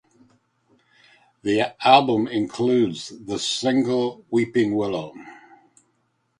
The album includes the single "Weeping Willow".